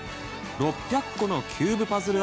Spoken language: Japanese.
６００個のキューブパズル